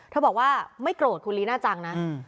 บอกว่าไม่โกรธคุณลีน่าจังนะ